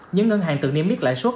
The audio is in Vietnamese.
những ngân hàng tự niêm biết lãi suất